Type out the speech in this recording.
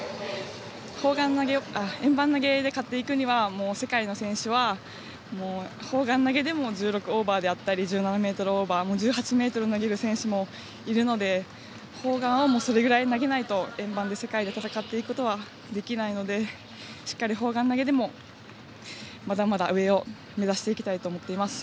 円盤投げで勝っていくには世界の選手は砲丸投げでも１６オーバーであったり１７ｍオーバー１８ｍを投げる選手もいるので砲丸は、それぐらい投げないと円盤で世界で戦っていくことはできないのでしっかり砲丸投げでもまだまだ上を目指していきたいと思っています。